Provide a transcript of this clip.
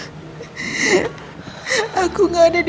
aku gak ada di bagian kehidupan reina